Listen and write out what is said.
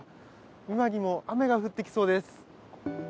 今にも雨が降ってきそうです。